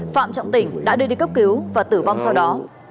phạm trọng tỉnh đã đưa đi cấp cứu và tử vong sau đó